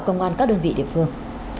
công an các đơn vị địa phương